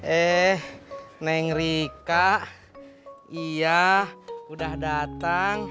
eh neng rika iya udah datang